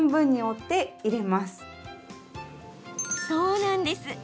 そうなんです。